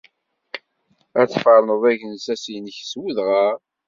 Ad tferneḍ agensas-nnek s wedɣar.